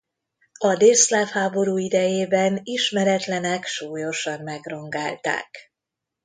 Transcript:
A délszláv háború idejében ismeretlenek súlyosan megrongálták.